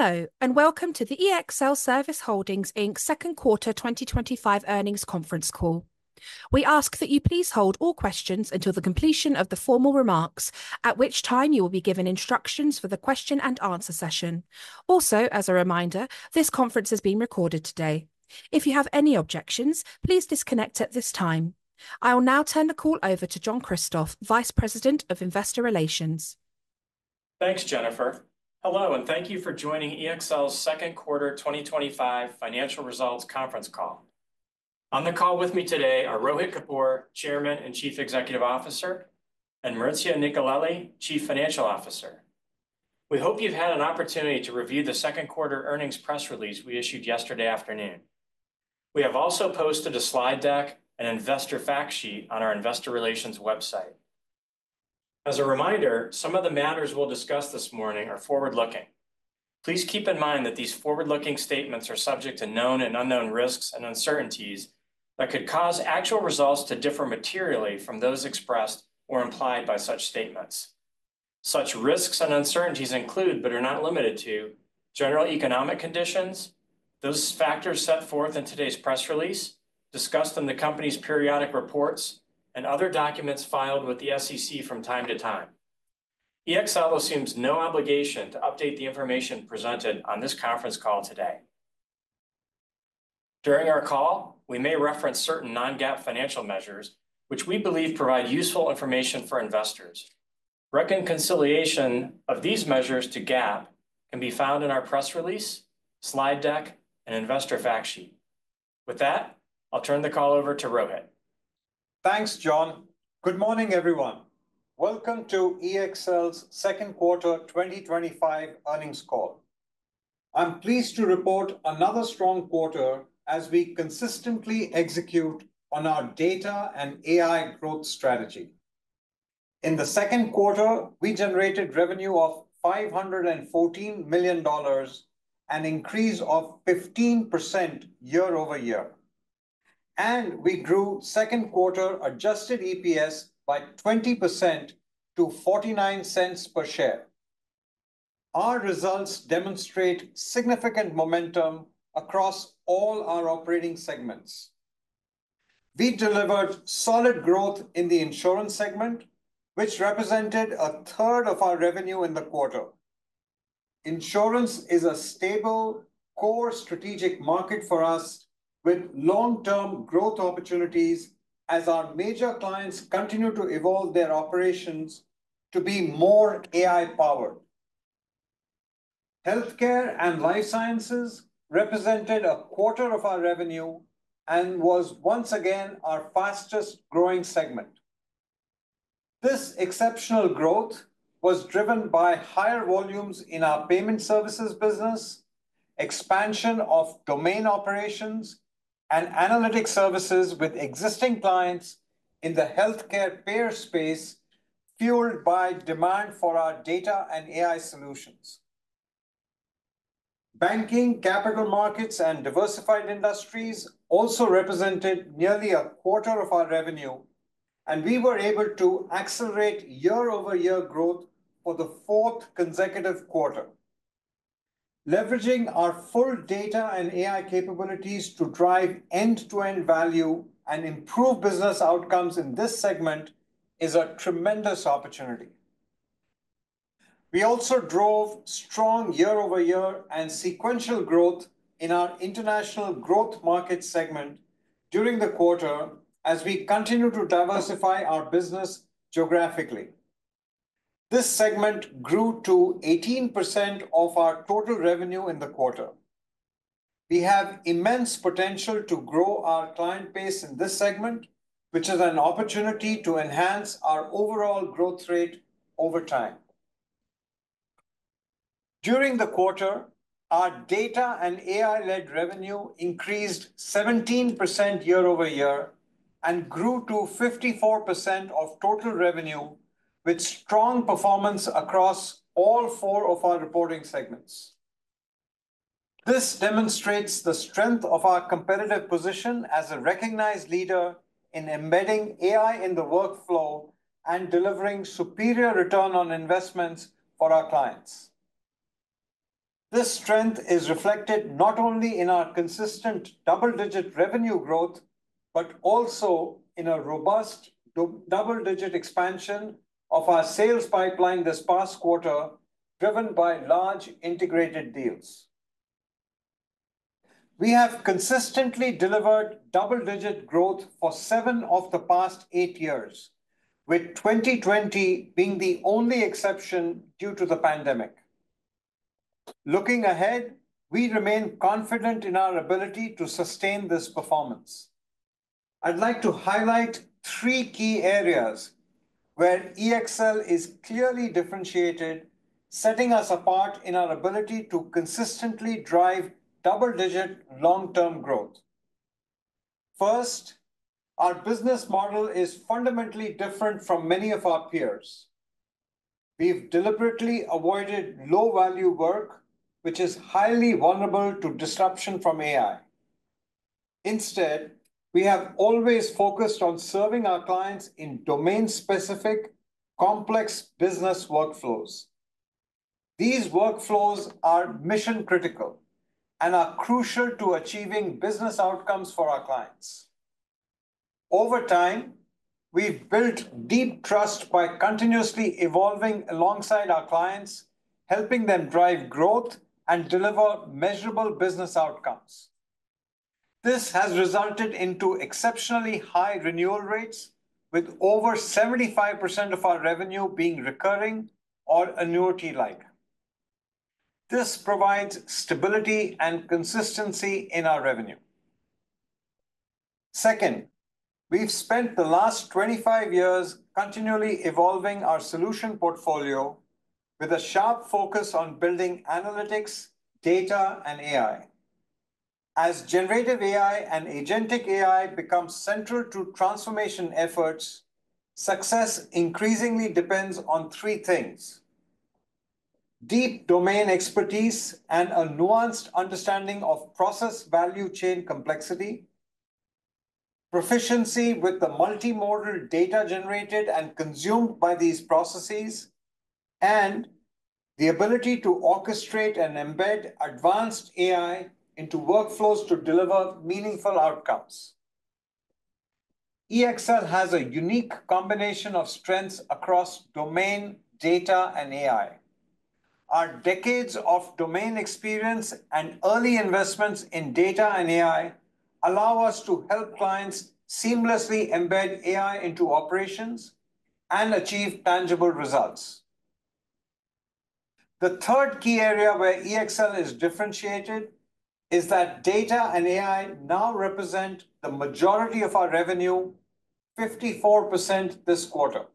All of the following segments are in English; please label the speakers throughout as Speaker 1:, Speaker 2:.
Speaker 1: Hello and welcome to theExlService Holdings, Inc Second Quarter 2025 earnings conference call. We ask that you please hold all questions until the completion of the formal remarks, at which time you will be given instructions for the question and answer session. Also, as a reminder, this conference is being recorded today. If you have any objections, please disconnect at this time. I will now turn the call over to John Kristoff, Vice President of Investor Relations.
Speaker 2: Thanks, Jennifer. Hello and thank you for joining EXL Second Quarter 2025 Financial Results Conference Call. On the call with me today are Rohit Kapoor, Chairman and Chief Executive Officer, and Maurizio Nicolelli, Chief Financial Officer. We hope you've had an opportunity to review the second quarter earnings press release we issued yesterday afternoon. We have also posted a slide deck and investor fact sheet on our Investor Relations website. As a reminder, some of the matters we'll discuss this morning are forward-looking. Please keep in mind that these forward-looking statements are subject to known and unknown risks and uncertainties that could cause actual results to differ materially from those expressed or implied by such statements. Such risks and uncertainties include, but are not limited to, general economic conditions, those factors set forth in today's press release, discussed in the company's periodic reports, and other documents filed with the SEC from time to time. EXL assumes no obligation to update the information presented on this conference call today. During our call, we may reference certain non-GAAP financial measures, which we believe provide useful information for investors. Reconciliation of these measures to GAAP can be found in our press release, slide deck, and investor fact sheet. With that, I'll turn the call over to Rohit.
Speaker 3: Thanks, John. Good morning, everyone. Welcome to EXL Second Quarter 2025 Earnings Call. I'm pleased to report another strong quarter as we consistently execute on our data and AI growth strategy. In the second quarter, we generated revenue of $514 million, an increase of 15% year-over-year. We grew second quarter adjusted EPS by 20% to $0.49 per share. Our results demonstrate significant momentum across all our operating segments. We delivered solid growth in the insurance segment, which represented a third of our revenue in the quarter. Insurance is a stable, core strategic market for us, with long-term growth opportunities as our major clients continue to evolve their operations to be more AI-powered. Healthcare and life sciences represented a quarter of our revenue and was once again our fastest growing segment. This exceptional growth was driven by higher volumes in our payment services business, expansion of domain operations, and analytic services with existing clients in the healthcare payer space, fueled by demand for our data and AI solutions. Banking, capital markets, and diversified industries also represented nearly a quarter of our revenue, and we were able to accelerate year-over-year growth for the fourth consecutive quarter. Leveraging our full data and AI capabilities to drive end-to-end value and improve business outcomes in this segment is a tremendous opportunity. We also drove strong year-over-year and sequential growth in our international growth market segment during the quarter as we continue to diversify our business geographically. This segment grew to 18% of our total revenue in the quarter. We have immense potential to grow our client base in this segment, which is an opportunity to enhance our overall growth rate over time. During the quarter, our data and AI-led revenue increased 17% year-over-year and grew to 54% of total revenue, with strong performance across all four of our reporting segments. This demonstrates the strength of our competitive position as a recognized leader in embedding AI in the workflow and delivering superior return on investments for our clients. This strength is reflected not only in our consistent double-digit revenue growth but also in a robust double-digit expansion of our sales pipeline this past quarter, driven by large integrated deals. We have consistently delivered double-digit growth for seven of the past eight years, with 2020 being the only exception due to the pandemic. Looking ahead, we remain confident in our ability to sustain this performance. I'd like to highlight three key areas where EXL is clearly differentiated, setting us apart in our ability to consistently drive double-digit long-term growth. First, our business model is fundamentally different from many of our peers. We've deliberately avoided low-value work, which is highly vulnerable to disruption from AI. Instead, we have always focused on serving our clients in domain-specific, complex business workflows. These workflows are mission-critical and are crucial to achieving business outcomes for our clients. Over time, we've built deep trust by continuously evolving alongside our clients, helping them drive growth and deliver measurable business outcomes. This has resulted in exceptionally high renewal rates, with over 75% of our revenue being recurring or annuity-like. This provides stability and consistency in our revenue. Second, we've spent the last 25 years continually evolving our solution portfolio with a sharp focus on building analytics, data, and AI. As generative AI and agentic AI become central to transformation efforts, success increasingly depends on three things: deep domain expertise and a nuanced understanding of process value chain complexity, proficiency with the multimodal data generated and consumed by these processes, and the ability to orchestrate and embed advanced AI into workflows to deliver meaningful outcomes. EXL has a unique combination of strengths across domain, data, and AI. Our decades of domain experience and early investments in data and AI allow us to help clients seamlessly embed AI into operations and achieve tangible results. The third key area where EXL is differentiated is that data and AI now represent the majority of our revenue, 54% this quarter.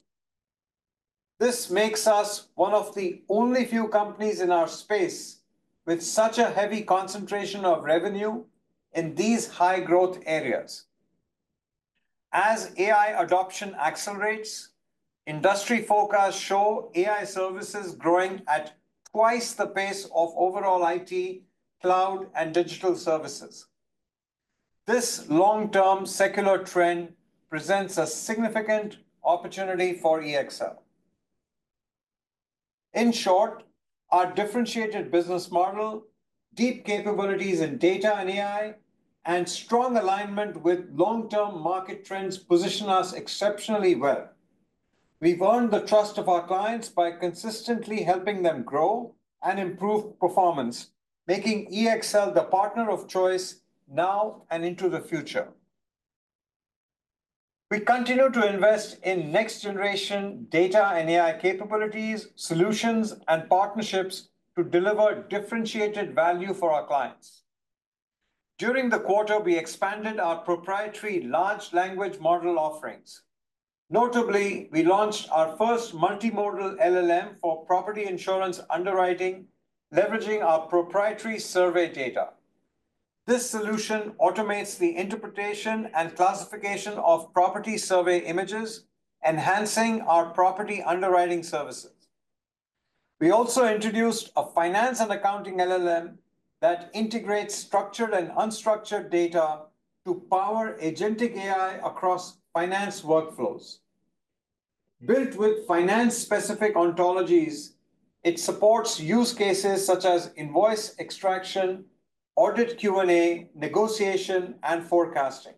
Speaker 3: This makes us one of the only few companies in our space with such a heavy concentration of revenue in these high-growth areas. As AI adoption accelerates, industry forecasts show AI services growing at twice the pace of overall IT, Cloud, and digital services. This long-term secular trend presents a significant opportunity for EXL In short, our differentiated business model, deep capabilities in data and AI, and strong alignment with long-term market trends position us exceptionally well. We've earned the trust of our clients by consistently helping them grow and improve performance, making EXL the partner of choice now and into the future. We continue to invest in next-generation data and AI capabilities, solutions, and partnerships to deliver differentiated value for our clients. During the quarter, we expanded our proprietary large language model offerings. Notably, we launched our first multimodal LLM for property insurance underwriting, leveraging our proprietary survey data. This solution automates the interpretation and classification of property survey images, enhancing our property underwriting services. We also introduced a finance and accounting LLM that integrates structured and unstructured data to power agentic AI across finance workflows. Built with finance-specific ontologies, it supports use cases such as invoice extraction, audit Q&A, negotiation, and forecasting.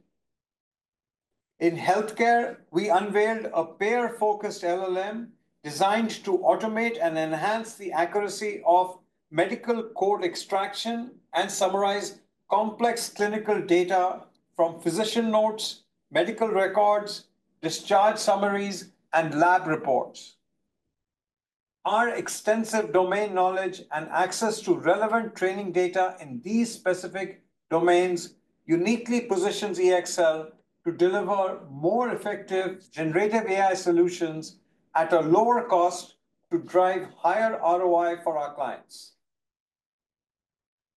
Speaker 3: In healthcare, we unveiled a payer-focused LLM designed to automate and enhance the accuracy of medical code extraction and summarize complex clinical data from physician notes, medical records, discharge summaries, and lab reports. Our extensive domain knowledge and access to relevant training data in these specific domains uniquely positions EXL to deliver more effective generative AI solutions at a lower cost to drive higher ROI for our clients.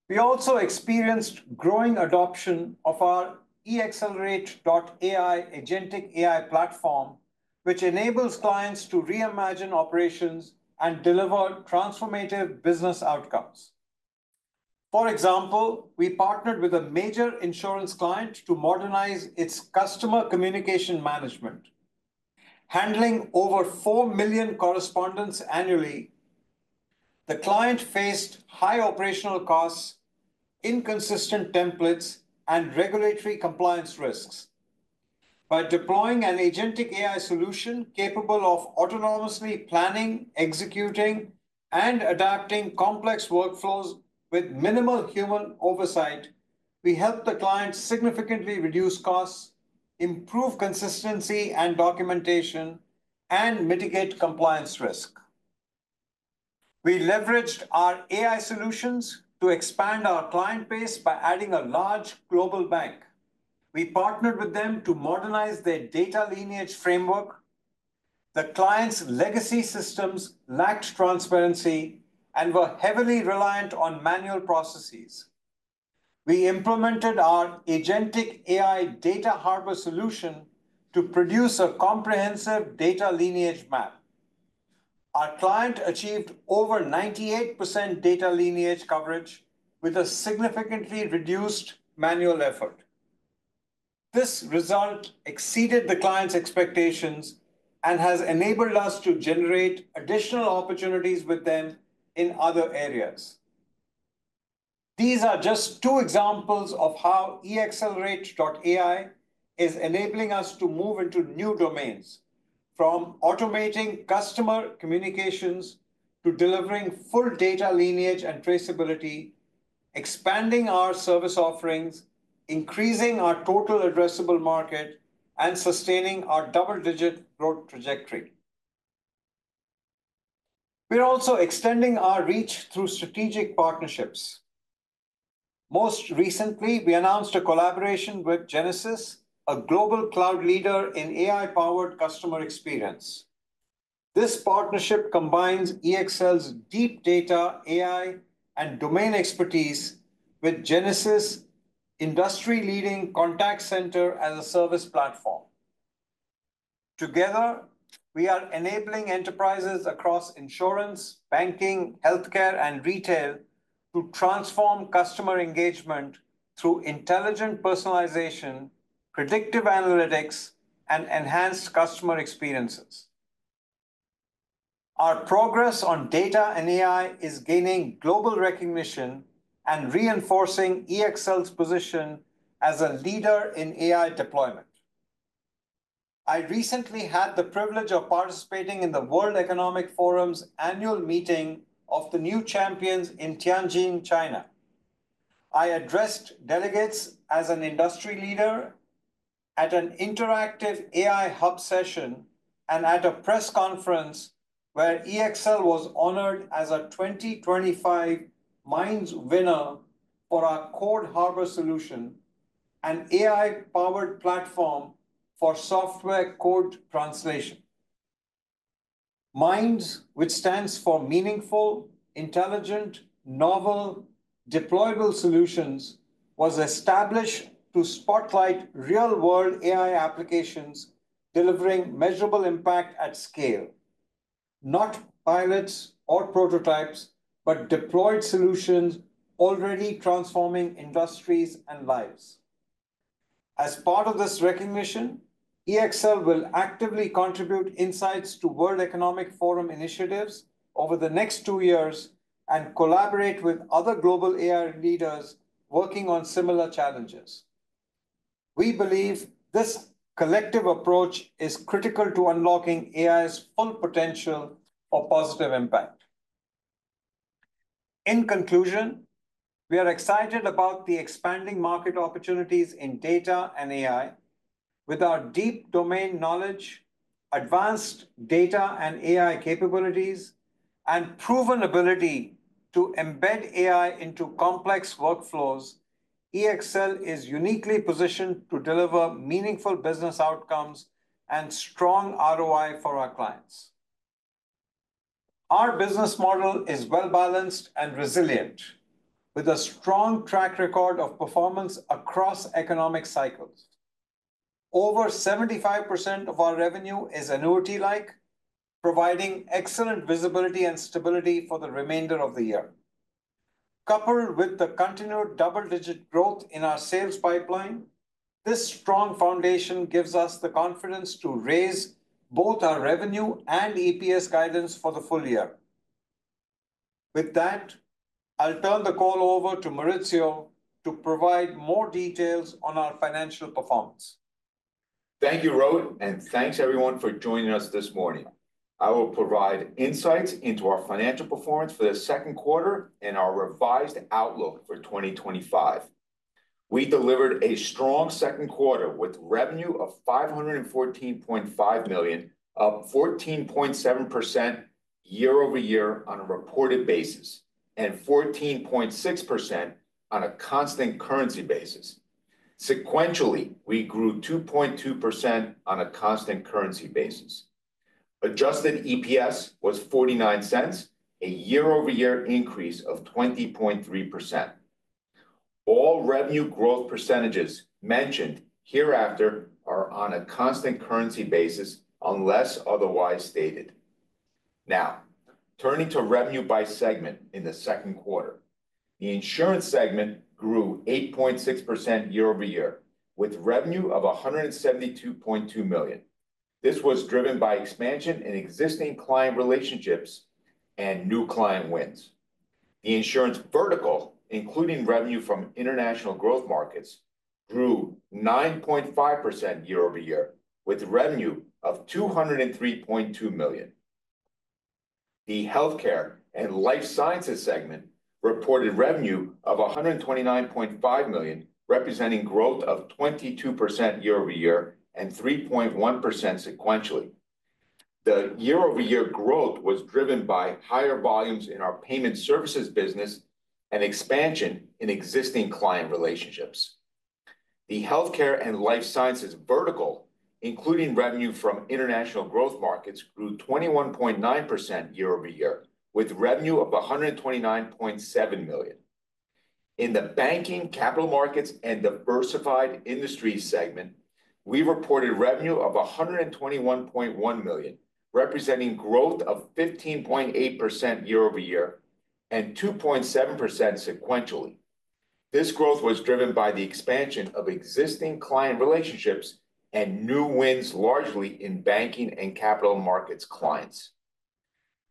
Speaker 3: We also experienced growing adoption of our EXLerate.ai agentic AI platform, which enables clients to reimagine operations and deliver transformative business outcomes. For example, we partnered with a major insurance client to modernize its customer communication management. Handling over 4 million correspondents annually, the client faced high operational costs, inconsistent templates, and regulatory compliance risks. By deploying an agentic AI solution capable of autonomously planning, executing, and adapting complex workflows with minimal human oversight, we helped the client significantly reduce costs, improve consistency and documentation, and mitigate compliance risk. We leveraged our AI solutions to expand our client base by adding a large global bank. We partnered with them to modernize their data lineage framework. The client's legacy systems lacked transparency and were heavily reliant on manual processes. We implemented our agentic AI data harbor solution to produce a comprehensive data lineage map. Our client achieved over 98% data lineage coverage with a significantly reduced manual effort. This result exceeded the client's expectations and has enabled us to generate additional opportunities with them in other areas. These are just two examples of how EXLerate.ai is enabling us to move into new domains, from automating customer communications to delivering full data lineage and traceability, expanding our service offerings, increasing our total addressable market, and sustaining our double-digit growth trajectory. We're also extending our reach through strategic partnerships. Most recently, we announced a collaboration with Genesys, a global cloud leader in AI-powered customer experience. This partnership combines EXLs deep data AI and domain expertise with Genesys' industry-leading contact center as a service platform. Together, we are enabling enterprises across insurance, banking, healthcare, and retail to transform customer engagement through intelligent personalization, predictive analytics, and enhanced customer experiences. Our progress on data and AI is gaining global recognition and reinforcing EXL's position as a leader in AI deployment. I recently had the privilege of participating in the World Economic Forum's annual meeting of the new champions in Tianjin, China. I addressed delegates as an industry leader at an interactive AI hub session and at a press conference where EXL was honored as a 2025 Minds winner for our code harbor solution, an AI-powered platform for software code translation. Minds, which stands for meaningful, intelligent, novel, deployable solutions, was established to spotlight real-world AI applications delivering measurable impact at scale. Not pilots or prototypes, but deployed solutions already transforming industries and lives. As part of this recognition, EXL will actively contribute insights to World Economic Forum initiatives over the next two years and collaborate with other global AI leaders working on similar challenges. We believe this collective approach is critical to unlocking AI's full potential for positive impact. In conclusion, we are excited about the expanding market opportunities in data and AI. With our deep domain knowledge, advanced data and AI capabilities, and proven ability to embed AI into complex workflows, EXL is uniquely positioned to deliver meaningful business outcomes and strong ROI for our clients. Our business model is well-balanced and resilient, with a strong track record of performance across economic cycles. Over 75% of our revenue is annuity-like, providing excellent visibility and stability for the remainder of the year. Coupled with the continued double-digit growth in our sales pipeline, this strong foundation gives us the confidence to raise both our revenue and EPS guidance for the full year. With that, I'll turn the call over to Maurizio to provide more details on our financial performance.
Speaker 4: Thank you, Rohit, and thanks everyone for joining us this morning. I will provide insights into our financial performance for the second quarter and our revised outlook for 2025. We delivered a strong second quarter with revenue of $514.5 million, up 14.7% year-over-year on a reported basis, and 14.6% on a constant currency basis. Sequentially, we grew 2.2% on a constant currency basis. Adjusted EPS was $0.49, a year-over-year increase of 20.3%. All revenue growth percentages mentioned hereafter are on a constant currency basis unless otherwise stated. Now, turning to revenue by segment in the second quarter, the insurance segment grew 8.6% year-over-year with revenue of $172.2 million. This was driven by expansion in existing client relationships and new client wins. The insurance vertical, including revenue from international growth markets, grew 9.5% year-over-year with revenue of $203.2 million. The healthcare and life sciences segment reported revenue of $129.5 million, representing growth of 22% year-over-year and 3.1% sequentially. The year-over-year growth was driven by higher volumes in our payment services business and expansion in existing client relationships. The healthcare and life sciences vertical, including revenue from international growth markets, grew 21.9% year-over-year with revenue of $129.7 million. In the banking, capital markets, and diversified industries segment, we reported revenue of $121.1 million, representing growth of 15.8% year-over-year and 2.7% sequentially. This growth was driven by the expansion of existing client relationships and new wins largely in banking and capital markets clients.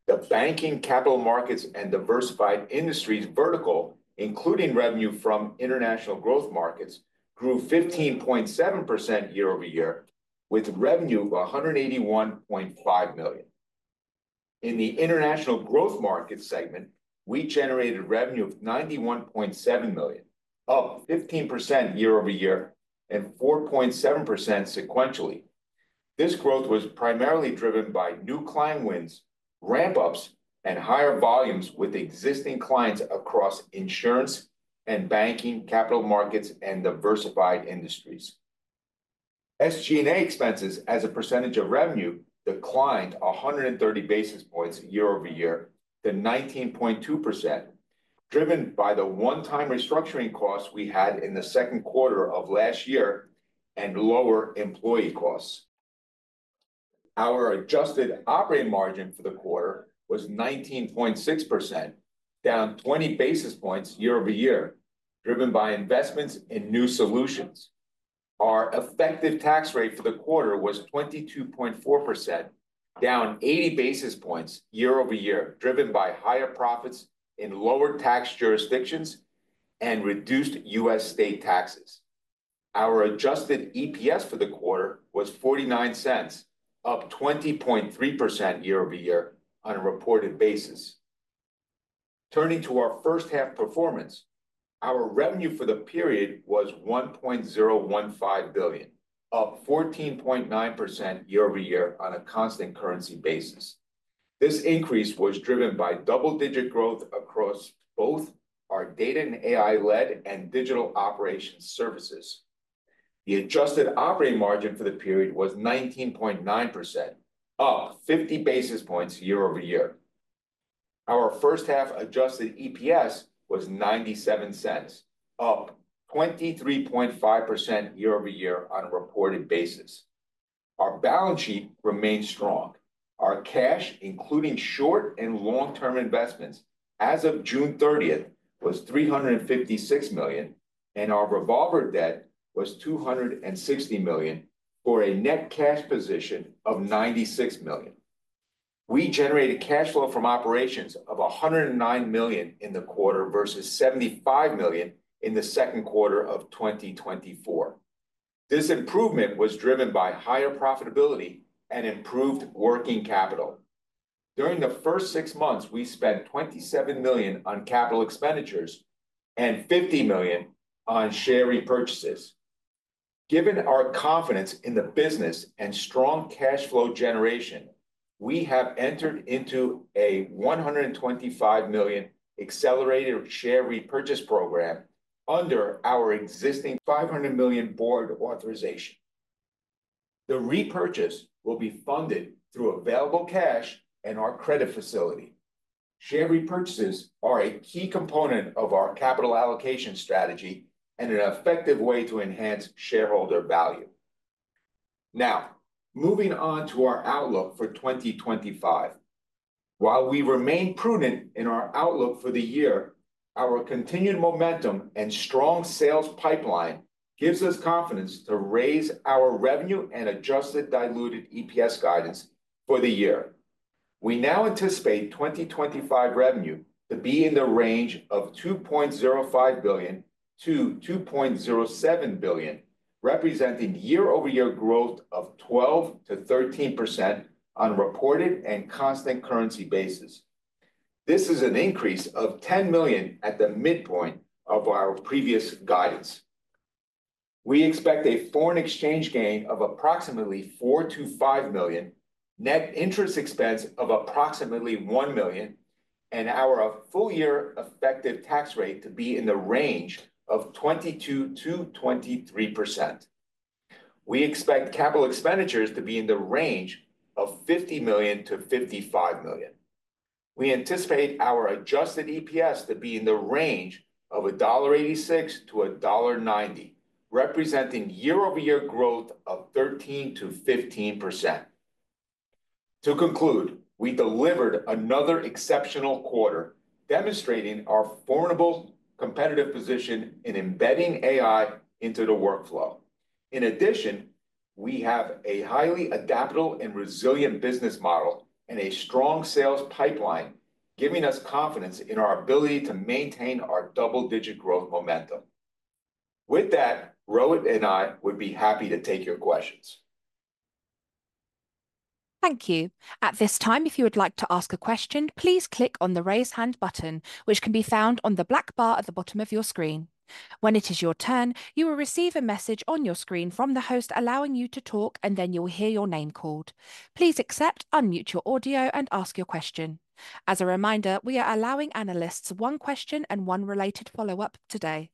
Speaker 4: The banking, capital markets, and diversified industries vertical, including revenue from international growth markets, grew 15.7% year-over-year with revenue of $181.5 million. In the international growth markets segment, we generated revenue of $91.7 million, up 15% year-over-year and 4.7% sequentially. This growth was primarily driven by new client wins, ramp-ups, and higher volumes with existing clients across insurance and banking, capital markets, and diversified industries. SG&A expenses as a percentage of revenue declined 130 basis points year-over-year to 19.2%, driven by the one-time restructuring costs we had in the second quarter of last year and lower employee costs. Our adjusted operating margin for the quarter was 19.6%, down 20 basis points year-over-year, driven by investments in new solutions. Our effective tax rate for the quarter was 22.4%, down 80 basis points year-over-year, driven by higher profits in lower tax jurisdictions and reduced U.S. state taxes. Our adjusted EPS for the quarter was $0.49, up 20.3% year-over-year on a reported basis. Turning to our first half performance, our revenue for the period was $1.015 billion, up 14.9% year-over-year on a constant currency basis. This increase was driven by double-digit growth across both our data analytics and AI-led and digital operations services. The adjusted operating margin for the period was 19.9%, up 50 basis points year over year. Our first half adjusted EPS was $0.97, up 23.5% year-over-year on a reported basis. Our balance sheet remains strong. Our cash, including short and long-term investments, as of June 30th, was $356 million, and our revolver debt was $260 million for a net cash position of $96 million. We generated cash flow from operations of $109 million in the quarter versus $75 million in the second quarter of 2024. This improvement was driven by higher profitability and improved working capital. During the first six months, we spent $27 million on capital expenditures and $50 million on share repurchases. Given our confidence in the business and strong cash flow generation, we have entered into a $125 million accelerated share repurchase program under our existing $500 million board authorization. The repurchase will be funded through available cash and our credit facility. Share repurchases are a key component of our capital allocation strategy and an effective way to enhance shareholder value. Now, moving on to our outlook for 2025. While we remain prudent in our outlook for the year, our continued momentum and strong sales pipeline give us confidence to raise our revenue and adjusted diluted EPS guidance for the year. We now anticipate 2025 revenue to be in the range of $2.05 billion to $2.07 billion, representing year-over-year growth of 12% to 13% on a reported and constant currency basis. This is an increase of $10 million at the midpoint of our previous guidance. We expect a foreign exchange gain of approximately $4 million to $5 million, net interest expense of approximately $1 million, and our full-year effective tax rate to be in the range of 22%-23%. We expect capital expenditures to be in the range of $50 million-$55 million. We anticipate our adjusted EPS to be in the range of $1.86-$1.90, representing year-over-year growth of 13%-15%. To conclude, we delivered another exceptional quarter, demonstrating our formidable competitive position in embedding AI into the workflow. In addition, we have a highly adaptable and resilient business model and a strong sales pipeline, giving us confidence in our ability to maintain our double-digit growth momentum. With that, Rohit and I would be happy to take your questions.
Speaker 1: Thank you. At this time, if you would like to ask a question, please click on the raise hand button, which can be found on the black bar at the bottom of your screen. When it is your turn, you will receive a message on your screen from the host allowing you to talk, and then you will hear your name called. Please accept, unmute your audio, and ask your question. As a reminder, we are allowing analysts one question and one related follow-up today.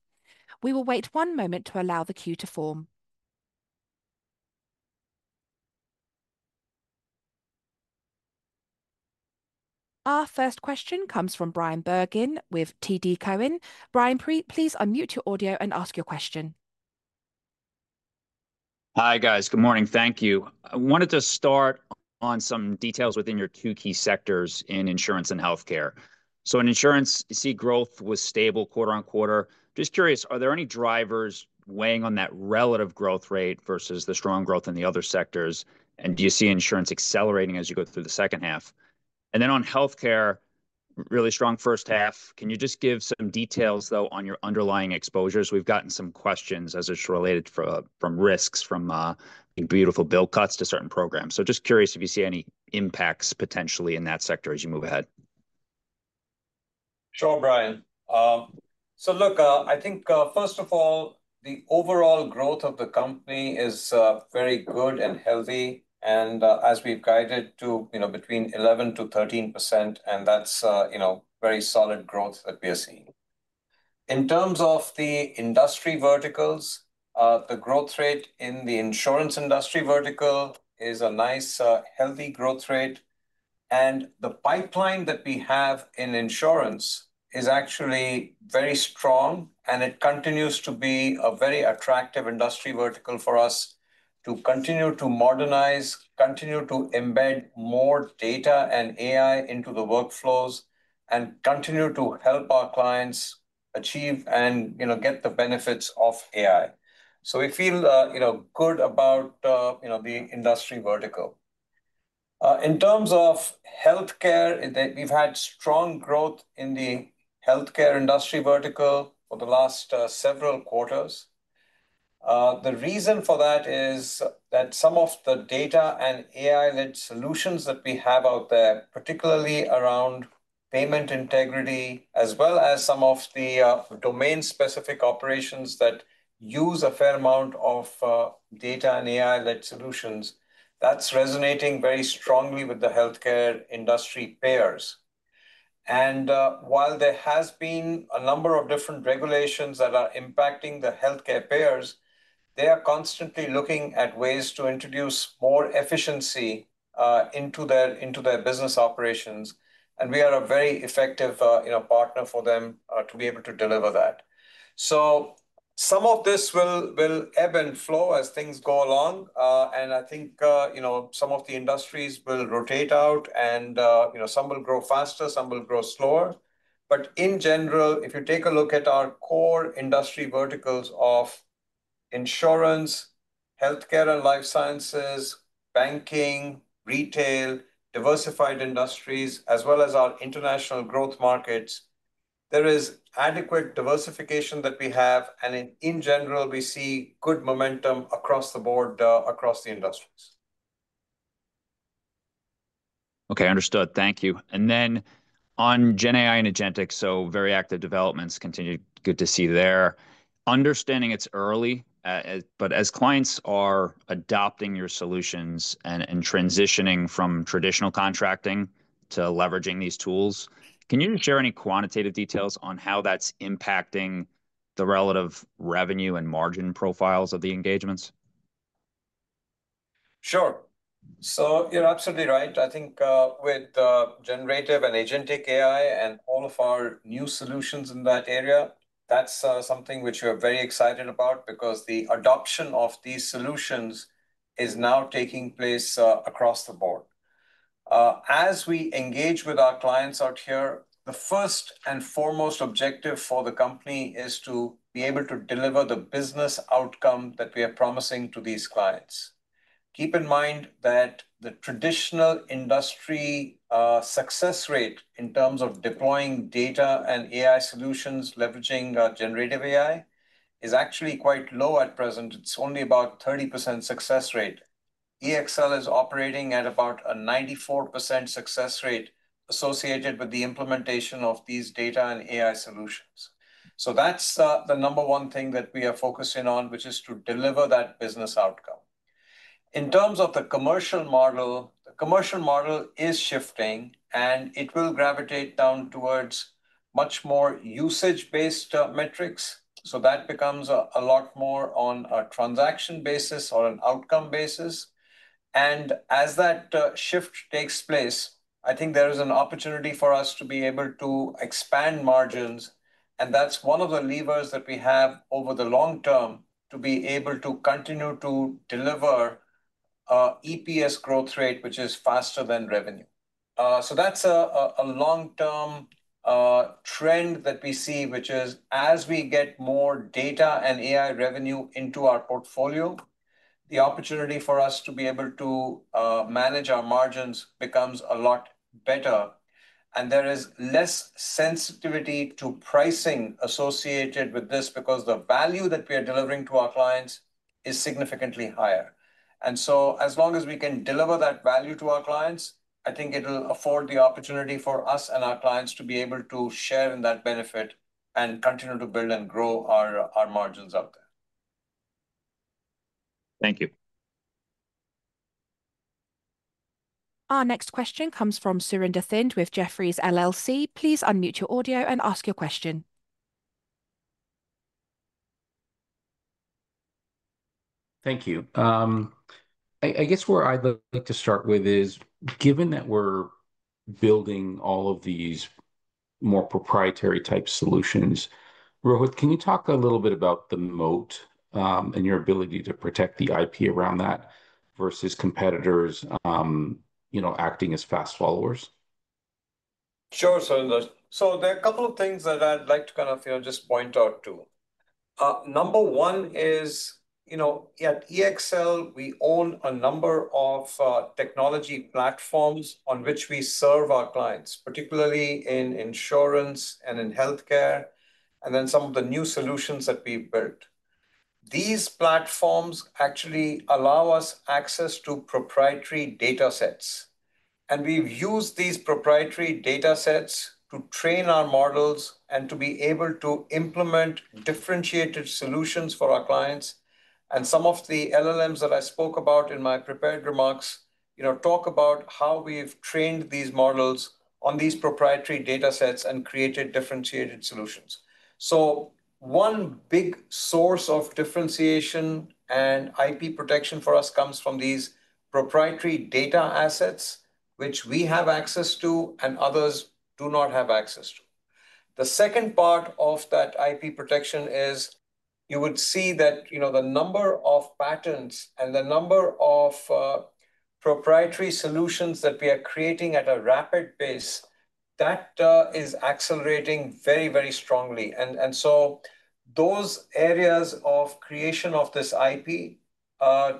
Speaker 1: We will wait one moment to allow the queue to form. Our first question comes from Bryan Bergin with TD Cowen. Bryan, please unmute your audio and ask your question.
Speaker 5: Hi guys, good morning, thank you. I wanted to start on some details within your two key sectors in insurance and healthcare. In insurance, you see growth was stable quarter on quarter. Just curious, are there any drivers weighing on that relative growth rate versus the strong growth in the other sectors? Do you see insurance accelerating as you go through the second half? On healthcare, really strong first half. Can you just give some details though on your underlying exposures? We've gotten some questions as it's related from risks, from I think potential bill cuts to certain programs. Just curious if you see any impacts potentially in that sector as you move ahead.
Speaker 3: Sure, Bryan. I think first of all, the overall growth of the company is very good and healthy. As we've guided to between 11%-13%, that's very solid growth that we are seeing. In terms of the industry verticals, the growth rate in the insurance industry vertical is a nice healthy growth rate. The pipeline that we have in insurance is actually very strong, and it continues to be a very attractive industry vertical for us to continue to modernize, continue to embed more data and AI into the workflows, and continue to help our clients achieve and get the benefits of AI. We feel good about the industry vertical. In terms of healthcare, we've had strong growth in the healthcare industry vertical for the last several quarters. The reason for that is that some of the data and AI-led solutions that we have out there, particularly around payment integrity, as well as some of the domain-specific operations that use a fair amount of data and AI-led solutions, that's resonating very strongly with the healthcare industry payers. While there has been a number of different regulations that are impacting the healthcare payers, they are constantly looking at ways to introduce more efficiency into their business operations. We are a very effective partner for them to be able to deliver that. Some of this will ebb and flow as things go along. I think some of the industries will rotate out, and some will grow faster, some will grow slower. In general, if you take a look at our core industry verticals of insurance, healthcare and life sciences, banking, retail, diversified industries, as well as our international growth markets, there is adequate diversification that we have. In general, we see good momentum across the board, across the industries.
Speaker 5: Okay, understood. Thank you. On GenAI and Agentic, very active developments continue. Good to see there. Understanding it's early, but as clients are adopting your solutions and transitioning from traditional contracting to leveraging these tools, can you share any quantitative details on how that's impacting the relative revenue and margin profiles of the engagements?
Speaker 3: Sure. You're absolutely right. I think with the generative and agentic AI and all of our new solutions in that area, that's something which we are very excited about because the adoption of these solutions is now taking place across the board. As we engage with our clients out here, the first and foremost objective for the company is to be able to deliver the business outcome that we are promising to these clients. Keep in mind that the traditional industry success rate in terms of deploying data and AI solutions leveraging generative AI is actually quite low at present. It's only about a 30% success rate. EXL is operating at about a 94% success rate associated with the implementation of these data and AI solutions. That's the number one thing that we are focusing on, which is to deliver that business outcome. In terms of the commercial model, the commercial model is shifting, and it will gravitate down towards much more usage-based metrics. That becomes a lot more on a transaction basis or an outcome basis. As that shift takes place, I think there is an opportunity for us to be able to expand margins. That's one of the levers that we have over the long term to be able to continue to deliver an EPS growth rate, which is faster than revenue. That's a long-term trend that we see, which is as we get more data and AI revenue into our portfolio, the opportunity for us to be able to manage our margins becomes a lot better. There is less sensitivity to pricing associated with this because the value that we are delivering to our clients is significantly higher. As long as we can deliver that value to our clients, I think it'll afford the opportunity for us and our clients to be able to share in that benefit and continue to build and grow our margins out there.
Speaker 5: Thank you.
Speaker 1: Our next question comes from Surinder Thind with Jefferies LLC. Please unmute your audio and ask your question.
Speaker 6: Thank you. I guess where I'd like to start with is, given that we're building all of these more proprietary type solutions, Rohit, can you talk a little bit about the moat and your ability to protect the IP around that versus competitors acting as fast followers?
Speaker 3: Sure. There are a couple of things that I'd like to just point out. Number one is, you know, at EXL, we own a number of technology platforms on which we serve our clients, particularly in insurance and in healthcare, and then some of the new solutions that we've built. These platforms actually allow us access to proprietary data assets. We've used these proprietary data assets to train our models and to be able to implement differentiated solutions for our clients. Some of the domain-specific large language models that I spoke about in my prepared remarks talk about how we've trained these models on these proprietary data assets and created differentiated solutions. One big source of differentiation and IP protection for us comes from these proprietary data assets, which we have access to and others do not have access to. The second part of that IP protection is you would see that the number of patents and the number of proprietary solutions that we are creating at a rapid pace is accelerating very, very strongly. Those areas of creation of this IP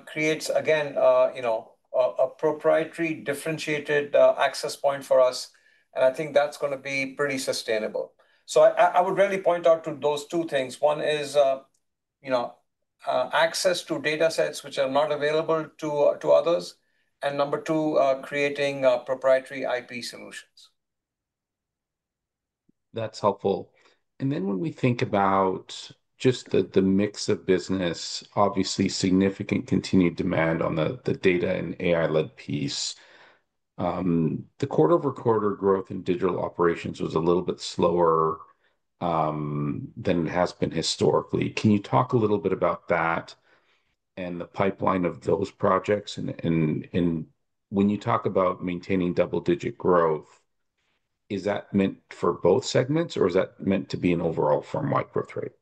Speaker 3: create, again, a proprietary differentiated access point for us. I think that's going to be pretty sustainable. I would really point out those two things. One is access to data assets which are not available to others, and number two, creating proprietary IP solutions.
Speaker 6: That's helpful. When we think about just the mix of business, obviously significant continued demand on the data and AI-led piece, the quarter-over-quarter growth in digital operations was a little bit slower than it has been historically. Can you talk a little bit about that and the pipeline of those projects? When you talk about maintaining double-digit growth, is that meant for both segments or is that meant to be an overall firm-wide growth rate?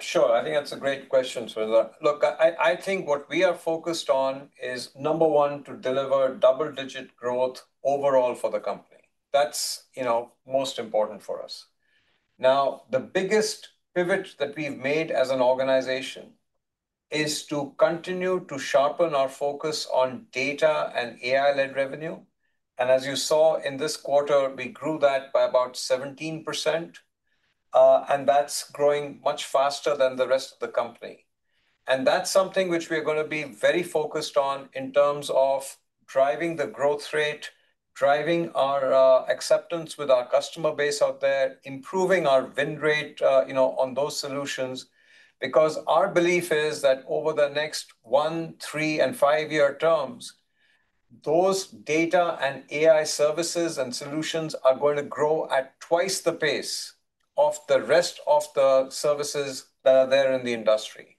Speaker 3: Sure, I think that's a great question. I think what we are focused on is, number one, to deliver double-digit growth overall for the company. That's most important for us. The biggest pivot that we've made as an organization is to continue to sharpen our focus on data and AI-led revenue. As you saw in this quarter, we grew that by about 17%. That's growing much faster than the rest of the company. That's something which we are going to be very focused on in terms of driving the growth rate, driving our acceptance with our customer base out there, improving our win rate on those solutions. Our belief is that over the next one, three, and five-year terms, those data and AI services and solutions are going to grow at twice the pace of the rest of the services that are there in the industry.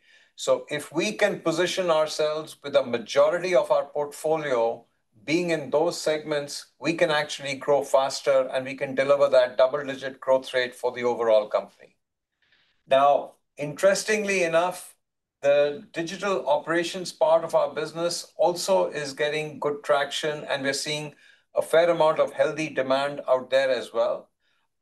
Speaker 3: If we can position ourselves with a majority of our portfolio being in those segments, we can actually grow faster and we can deliver that double-digit growth rate for the overall company. Interestingly enough, the digital operations part of our business also is getting good traction and we're seeing a fair amount of healthy demand out there as well.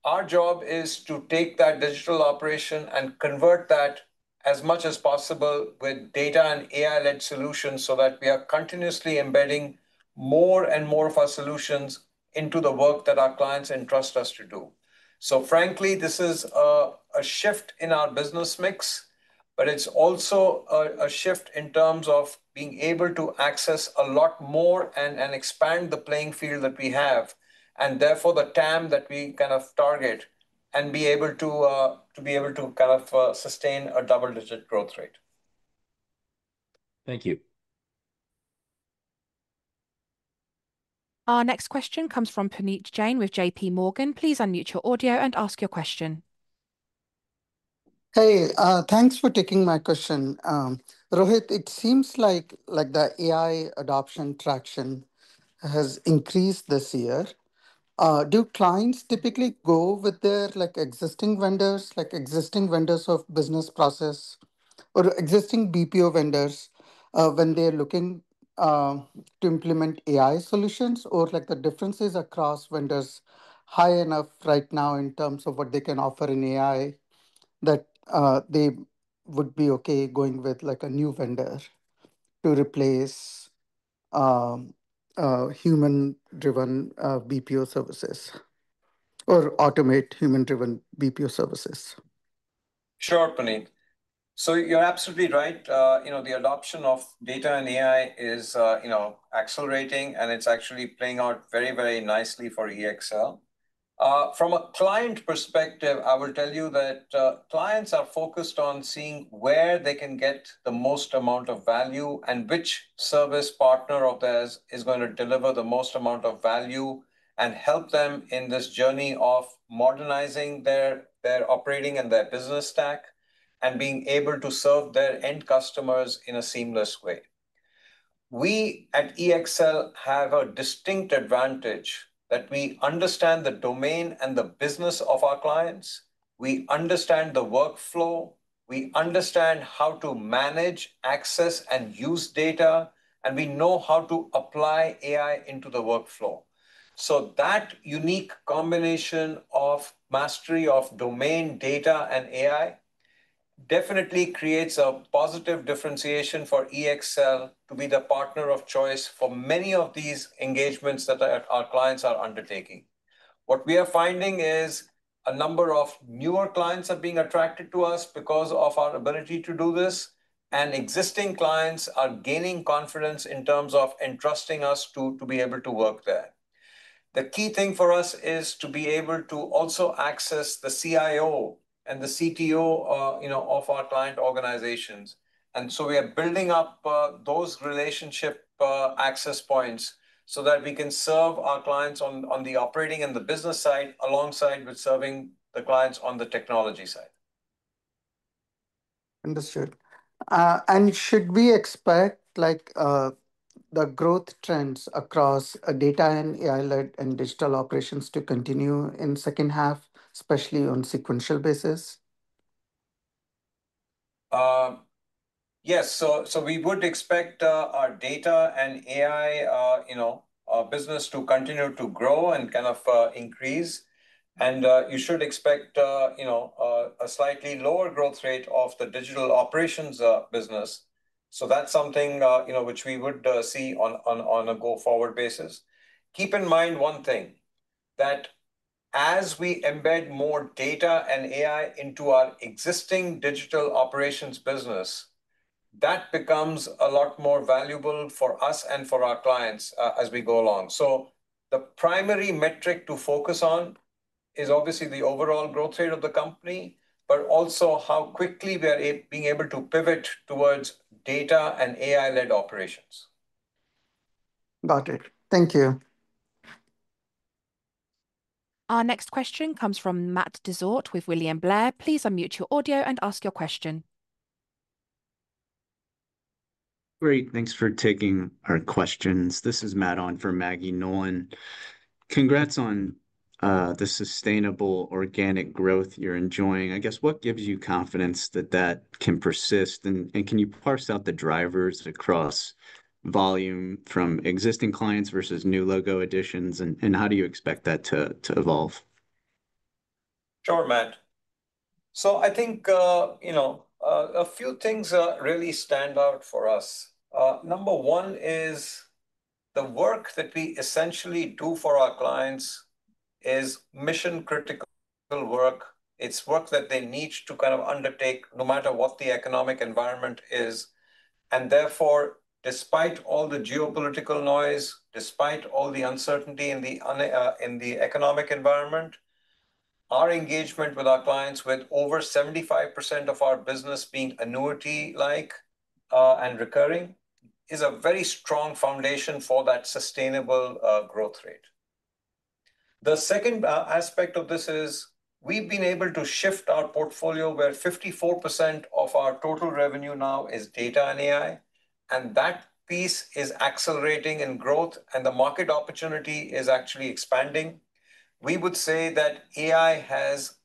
Speaker 3: Our job is to take that digital operation and convert that as much as possible with data and AI-led solutions so that we are continuously embedding more and more of our solutions into the work that our clients entrust us to do. Frankly, this is a shift in our business mix, but it's also a shift in terms of being able to access a lot more and expand the playing field that we have and therefore the TAM that we kind of target and be able to kind of sustain a double-digit growth rate.
Speaker 6: Thank you.
Speaker 1: Our next question comes from Puneet Jain with JPMorgan. Please unmute your audio and ask your question.
Speaker 7: Hey, thanks for taking my question. Rohit, it seems like the AI adoption traction has increased this year. Do clients typically go with their existing vendors, like existing vendors of business process or existing BPO vendors when they're looking to implement AI solutions? Are the differences across vendors high enough right now in terms of what they can offer in AI that they would be okay going with a new vendor to replace human-driven BPO services or automate human-driven BPO services?
Speaker 3: Sure, Puneet. You're absolutely right. The adoption of data and AI is accelerating, and it's actually playing out very, very nicely for EXL. From a client perspective, I will tell you that clients are focused on seeing where they can get the most amount of value and which service partner of theirs is going to deliver the most amount of value and help them in this journey of modernizing their operating and their business stack and being able to serve their end customers in a seamless way. We at EXL have a distinct advantage that we understand the domain and the business of our clients. We understand the workflow. We understand how to manage, access, and use data. We know how to apply AI into the workflow. That unique combination of mastery of domain, data, and AI definitely creates a positive differentiation for EXL. to be the partner of choice for many of these engagements that our clients are undertaking. What we are finding is a number of newer clients are being attracted to us because of our ability to do this, and existing clients are gaining confidence in terms of entrusting us to be able to work there. The key thing for us is to be able to also access the CIO and the CTO of our client organizations. We are building up those relationship access points so that we can serve our clients on the operating and the business side alongside with serving the clients on the technology side.
Speaker 7: Should we expect the growth trends across data and AI-led and digital operations to continue in the second half, especially on a sequential basis?
Speaker 3: Yes, we would expect our data and AI business to continue to grow and kind of increase. You should expect a slightly lower growth rate of the digital operations business. That's something which we would see on a go-forward basis. Keep in mind one thing, that as we embed more data and AI into our existing digital operations business, that becomes a lot more valuable for us and for our clients as we go along. The primary metric to focus on is obviously the overall growth rate of the company, but also how quickly we are being able to pivot towards data and AI-led operations.
Speaker 7: Got it. Thank you.
Speaker 1: Our next question comes from Matt Dezort with William Blair. Please unmute your audio and ask your question.
Speaker 8: Great, thanks for taking our questions. This is Matt on for Maggie Nolan. Congrats on the sustainable organic growth you're enjoying. I guess, what gives you confidence that that can persist? Can you parse out the drivers across volume from existing clients versus new logo additions? How do you expect that to evolve?
Speaker 3: Sure, Matt. I think a few things really stand out for us. Number one is the work that we essentially do for our clients is mission-critical work. It's work that they need to kind of undertake no matter what the economic environment is. Therefore, despite all the geopolitical noise, despite all the uncertainty in the economic environment, our engagement with our clients, with over 75% of our business being annuity-like and recurring, is a very strong foundation for that sustainable growth rate. The second aspect of this is we've been able to shift our portfolio where 54% of our total revenue now is data and AI. That piece is accelerating in growth, and the market opportunity is actually expanding. We would say that AI has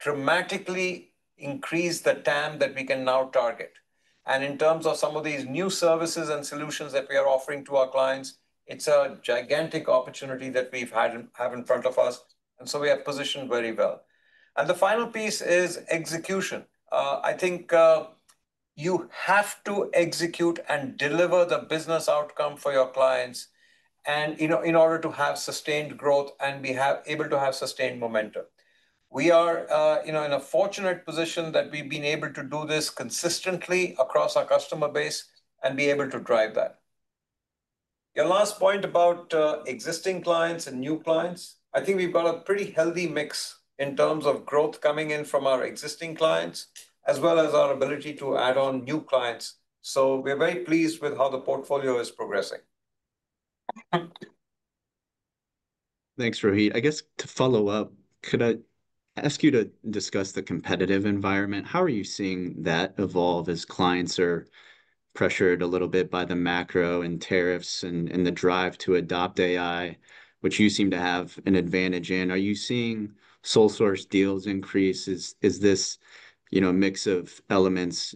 Speaker 3: dramatically increased the TAM that we can now target. In terms of some of these new services and solutions that we are offering to our clients, it's a gigantic opportunity that we have in front of us. We are positioned very well. The final piece is execution. I think you have to execute and deliver the business outcome for your clients in order to have sustained growth and be able to have sustained momentum. We are in a fortunate position that we've been able to do this consistently across our customer base and be able to drive that. Your last point about existing clients and new clients, I think we've got a pretty healthy mix in terms of growth coming in from our existing clients, as well as our ability to add on new clients. We're very pleased with how the portfolio is progressing.
Speaker 8: Thanks, Rohit. I guess to follow up, could I ask you to discuss the competitive environment? How are you seeing that evolve as clients are pressured a little bit by the macro and tariffs and the drive to adopt AI, which you seem to have an advantage in? Are you seeing sole source deals increase? Is this a mix of elements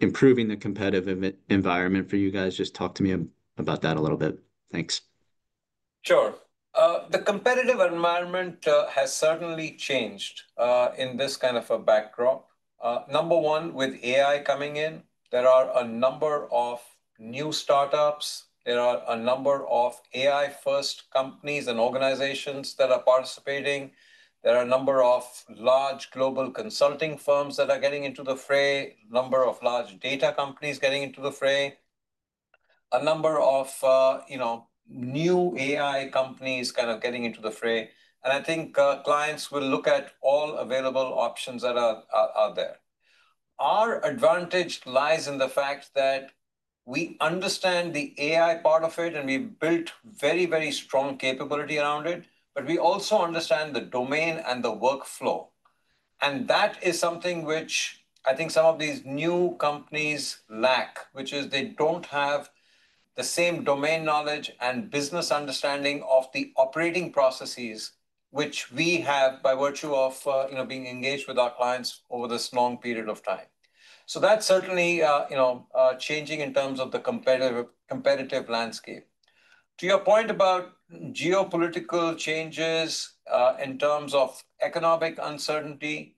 Speaker 8: improving the competitive environment for you guys? Just talk to me about that a little bit. Thanks.
Speaker 3: Sure. The competitive environment has certainly changed in this kind of a backdrop. Number one, with AI coming in, there are a number of new startups. There are a number of AI-first companies and organizations that are participating. There are a number of large global consulting firms that are getting into the fray, a number of large data companies getting into the fray, a number of new AI companies kind of getting into the fray. I think clients will look at all available options that are out there. Our advantage lies in the fact that we understand the AI part of it, and we've built very, very strong capability around it. We also understand the domain and the workflow. That is something which I think some of these new companies lack, which is they don't have the same domain knowledge and business understanding of the operating processes which we have by virtue of being engaged with our clients over this long period of time. That's certainly changing in terms of the competitive landscape. To your point about geopolitical changes in terms of economic uncertainty,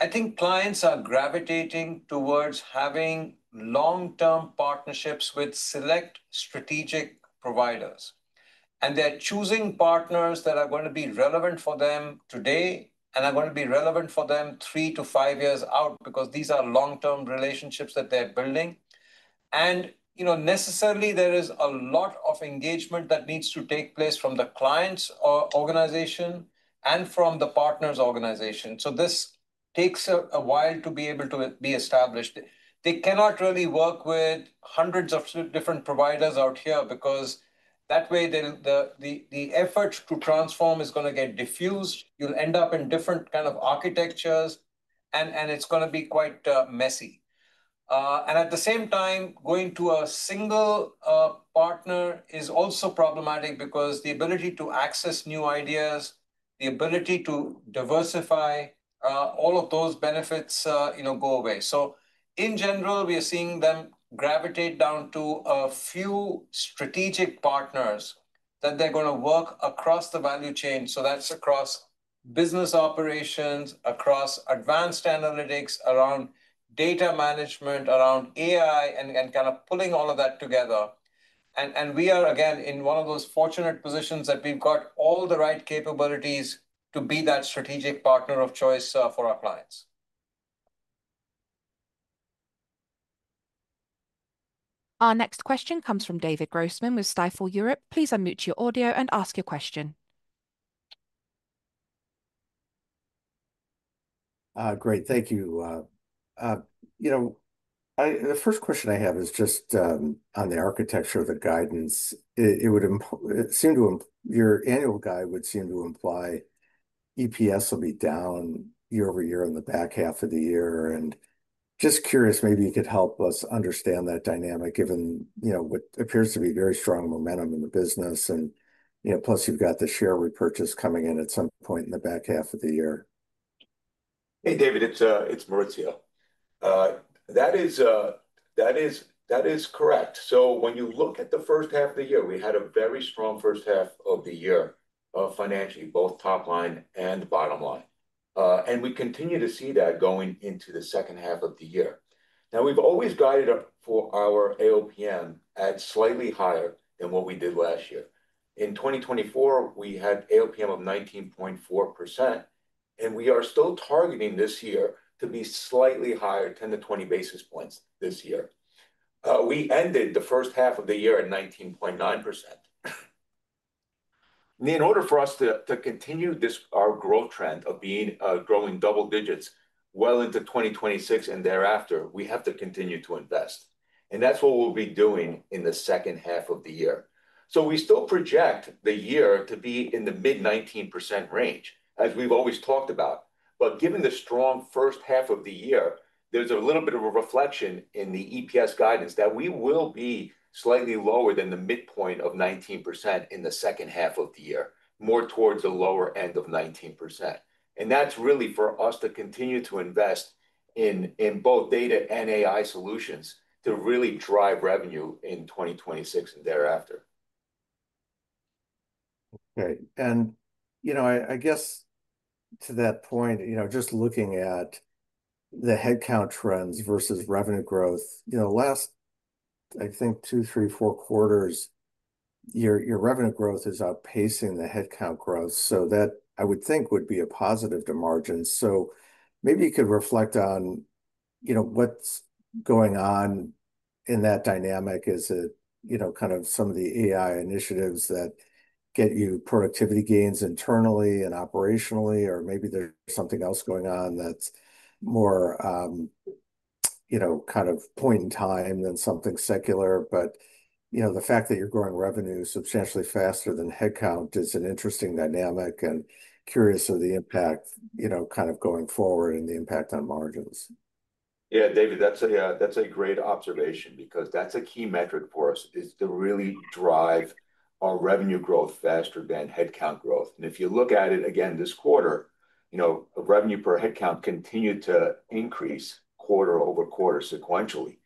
Speaker 3: I think clients are gravitating towards having long-term partnerships with select strategic providers. They're choosing partners that are going to be relevant for them today and are going to be relevant for them three to five years out because these are long-term relationships that they're building. Necessarily, there is a lot of engagement that needs to take place from the client's organization and from the partner's organization. This takes a while to be able to be established. They cannot really work with hundreds of different providers out here because that way the effort to transform is going to get diffused. You'll end up in different kinds of architectures, and it's going to be quite messy. At the same time, going to a single partner is also problematic because the ability to access new ideas, the ability to diversify, all of those benefits go away. In general, we are seeing them gravitate down to a few strategic partners that they're going to work across the value chain. That's across business operations, across advanced analytics, around data management, around AI, and kind of pulling all of that together. We are, again, in one of those fortunate positions that we've got all the right capabilities to be that strategic partner of choice for our clients.
Speaker 1: Our next question comes from David Grossman with Stifel Europe. Please unmute your audio and ask your question.
Speaker 9: Great, thank you. The first question I have is just on the architecture of the guidance. It would seem your annual guide would seem to imply EPS will be down year over year in the back half of the year. I am just curious, maybe you could help us understand that dynamic given what appears to be very strong momentum in the business. Plus, you've got the share repurchase coming in at some point in the back half of the year.
Speaker 4: Hey, David, it's Maurizio. That is correct. When you look at the first half of the year, we had a very strong first half of the year financially, both top line and bottom line. We continue to see that going into the second half of the year. We've always guided up for our AOPM at slightly higher than what we did last year. In 2024, we had AOPM of 19.4%, and we are still targeting this year to be slightly higher, 10 to 20 basis points this year. We ended the first half of the year at 19.9%. In order for us to continue our growth trend of growing double digits well into 2026 and thereafter, we have to continue to invest. That's what we'll be doing in the second half of the year. We still project the year to be in the mid-19% range, as we've always talked about. Given the strong first half of the year, there's a little bit of a reflection in the EPS guidance that we will be slightly lower than the midpoint of 19% in the second half of the year, more towards the lower end of 19%. That's really for us to continue to invest in both data and AI solutions to really drive revenue in 2026 and thereafter.
Speaker 9: Okay. I guess to that point, just looking at the headcount trends versus revenue growth, the last, I think, two, three, four quarters, your revenue growth is outpacing the headcount growth. That, I would think, would be a positive to margins. Maybe you could reflect on what's going on in that dynamic. Is it kind of some of the AI initiatives that get you productivity gains internally and operationally, or maybe there's something else going on that's more kind of point in time than something secular. The fact that you're growing revenue substantially faster than headcount is an interesting dynamic. Curious of the impact going forward and the impact on margins.
Speaker 4: Yeah, David, that's a great observation because that's a key metric for us is to really drive our revenue growth faster than headcount growth. If you look at it again this quarter, you know, revenue per headcount continued to increase quarter over quarter sequentially.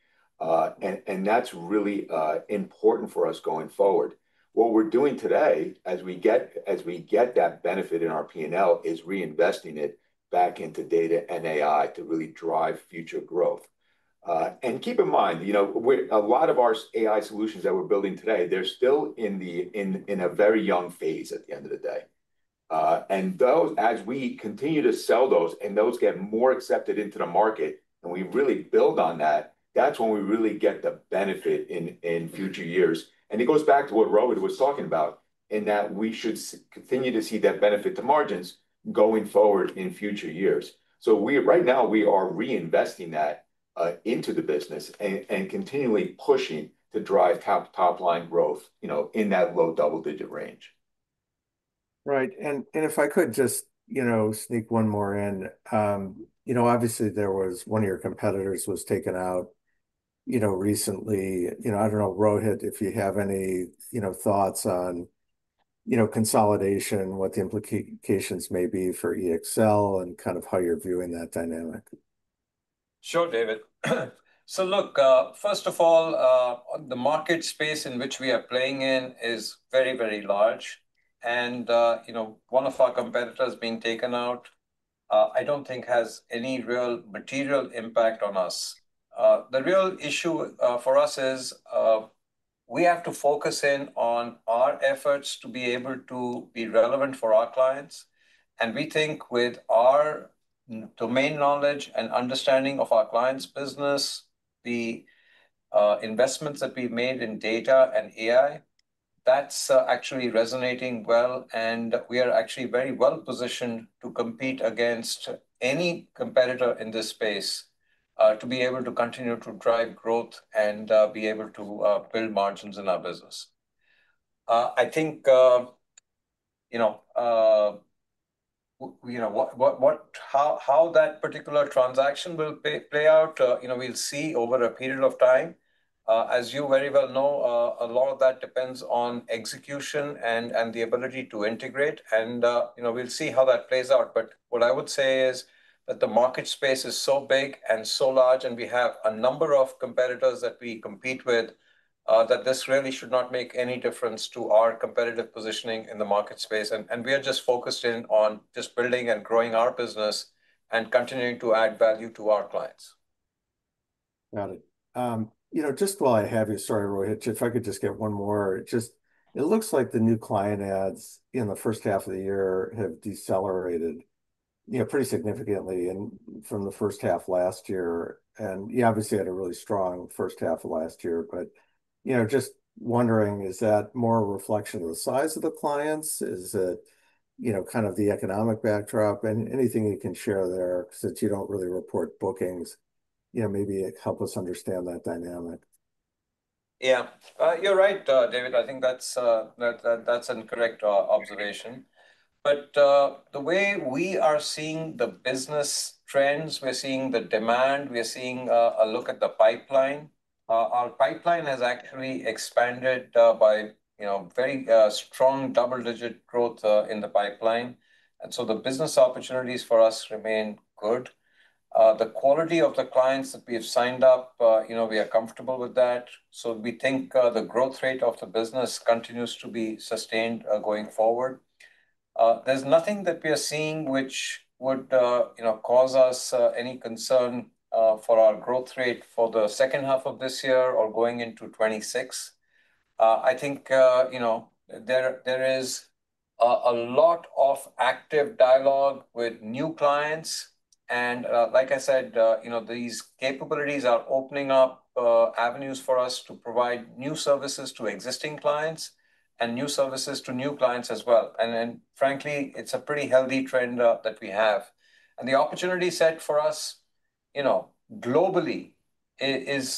Speaker 4: That's really important for us going forward. What we're doing today as we get that benefit in our P&L is reinvesting it back into data and AI to really drive future growth. Keep in mind, you know, a lot of our AI solutions that we're building today, they're still in a very young phase at the end of the day. As we continue to sell those and those get more accepted into the market and we really build on that, that's when we really get the benefit in future years. It goes back to what Rohit was talking about in that we should continue to see that benefit to margins going forward in future years. Right now, we are reinvesting that into the business and continually pushing to drive top line growth in that low double-digit range.
Speaker 9: Right. If I could just sneak one more in, obviously there was one of your competitors was taken out recently. I don't know, Rohit, if you have any thoughts on consolidation, what the implications may be for EXL. and kind of how you're viewing that dynamic.
Speaker 3: Sure, David. First of all, the market space in which we are playing in is very, very large. One of our competitors being taken out, I don't think has any real material impact on us. The real issue for us is we have to focus in on our efforts to be able to be relevant for our clients. We think with our domain knowledge and understanding of our clients' business, the investments that we've made in data and AI, that's actually resonating well. We are actually very well positioned to compete against any competitor in this space to be able to continue to drive growth and be able to build margins in our business. I think how that particular transaction will play out, we'll see over a period of time. As you very well know, a lot of that depends on execution and the ability to integrate. We'll see how that plays out. What I would say is that the market space is so big and so large, and we have a number of competitors that we compete with, that this really should not make any difference to our competitive positioning in the market space. We are just focused in on just building and growing our business and continuing to add value to our clients.
Speaker 9: Got it. Just while I have you, sorry, Rohit, if I could just get one more. It looks like the new client adds in the first half of the year have decelerated pretty significantly from the first half last year. You obviously had a really strong first half of last year. Just wondering, is that more a reflection of the size of the clients? Is it kind of the economic backdrop? Anything you can share there since you don't really report bookings, maybe help us understand that dynamic.
Speaker 3: Yeah, you're right, David. I think that's an incorrect observation. The way we are seeing the business trends, we're seeing the demand, we're seeing a look at the pipeline. Our pipeline has actually expanded by very strong double-digit growth in the pipeline, and the business opportunities for us remain good. The quality of the clients that we have signed up, you know, we are comfortable with that. We think the growth rate of the business continues to be sustained going forward. There's nothing that we are seeing which would cause us any concern for our growth rate for the second half of this year or going into 2026. I think, you know, there is a lot of active dialogue with new clients. Like I said, you know, these capabilities are opening up avenues for us to provide new services to existing clients and new services to new clients as well. Frankly, it's a pretty healthy trend that we have, and the opportunity set for us, you know, globally is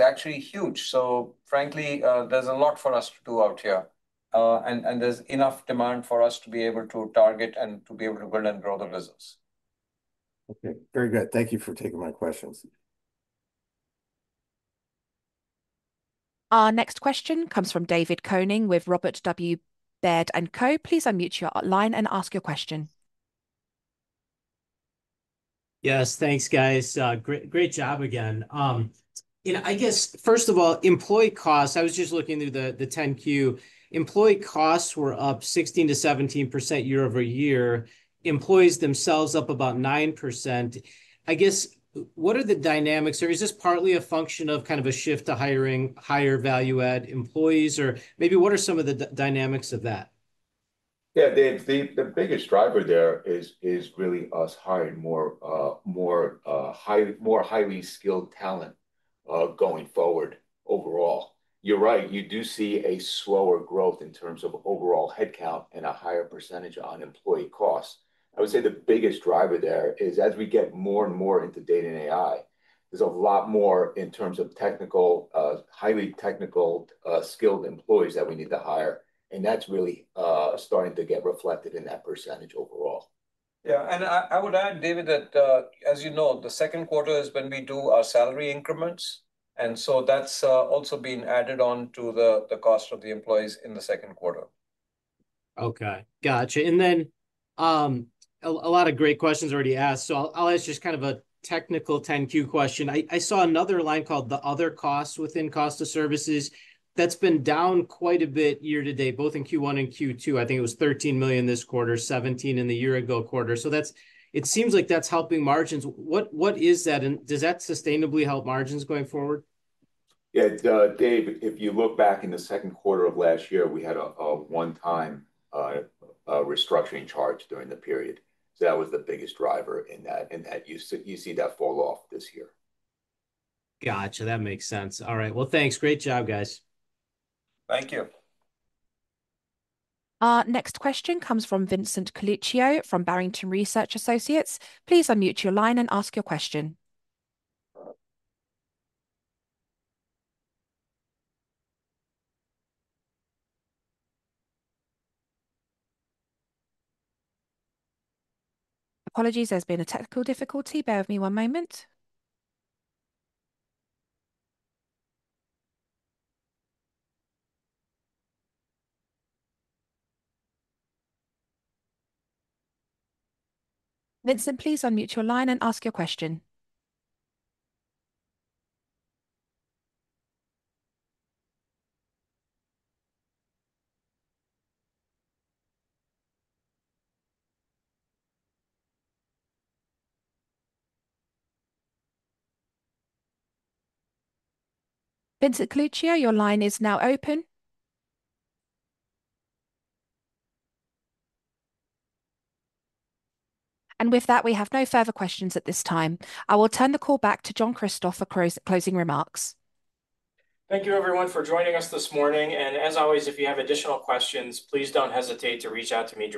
Speaker 3: actually huge. Frankly, there's a lot for us to do out here, and there's enough demand for us to be able to target and to be able to build and grow the business.
Speaker 9: Okay, very good. Thank you for taking my questions.
Speaker 1: Our next question comes from David Koning with Robert W. Baird & Co. Please unmute your line and ask your question.
Speaker 10: Yes, thanks, guys. Great job again. I guess first of all, employee costs, I was just looking through the 10-Q. Employee costs were up 16% to 17% year-over-year. Employees themselves up about 9%. I guess, what are the dynamics, or is this partly a function of kind of a shift to hiring higher value-add employees, or maybe what are some of the dynamics of that?
Speaker 4: Yeah, David, the biggest driver there is really us hiring more highly skilled talent going forward overall. You're right, you do see a slower growth in terms of overall headcount and a higher % on employee costs. I would say the biggest driver there is as we get more and more into data and AI, there's a lot more in terms of technical, highly technical skilled employees that we need to hire. That is really starting to get reflected in that % overall.
Speaker 3: Yeah, I would add, David, that as you know, the second quarter is when we do our salary increments, and that's also being added on to the cost of the employees in the second quarter.
Speaker 10: Okay, gotcha. A lot of great questions already asked. I'll ask just kind of a technical 10-Q question. I saw another line called the other costs within cost of services. That's been down quite a bit year to date, both in Q1 and Q2. I think it was $13 million this quarter, $17 million in the year ago quarter. It seems like that's helping margins. What is that? Does that sustainably help margins going forward?
Speaker 4: Yeah, David, if you look back in the second quarter of last year, we had a one-time restructuring charge during the period. That was the biggest driver in that, and you see that fall off this year.
Speaker 10: Gotcha, that makes sense. All right, thanks. Great job, guys.
Speaker 3: Thank you.
Speaker 1: Next question comes from Vincent Colicchio from Barrington Research Associates. Please unmute your line and ask your question. Apologies, there's been a technical difficulty. Bear with me one moment. Vincent, please unmute your line and ask your question. Vincent Colicchio, your line is now open. With that, we have no further questions at this time. I will turn the call back to John Kristoff for closing remarks.
Speaker 2: Thank you, everyone, for joining us this morning. If you have additional questions, please don't hesitate to reach out to me.